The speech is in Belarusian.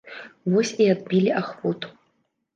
Вось і адбілі ахвоту.